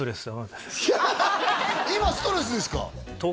今ストレスですか？